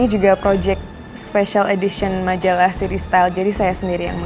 itulah bahwa ia sudah mengadu protokol misi west village